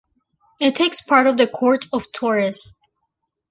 It takes part of the Court of Torres.